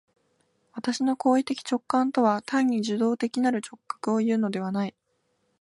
私の行為的直観とは単に受働的なる直覚をいうのではない。